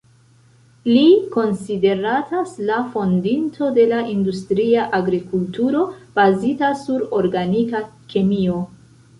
Li konsideratas la fondinto de la industria agrikulturo, bazita sur organika kemio.